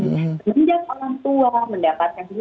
menjaga orang tua mendapatkan dua garis biru